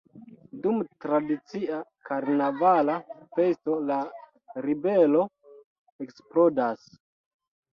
Dum tradicia karnavala festo la ribelo eksplodas.